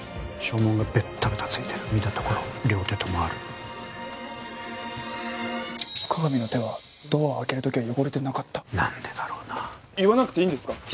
掌紋がベッタベタついてる見たところ両手ともある加々見の手はドア開ける時は汚れてなかった何でだろうな言わなくていいんですか？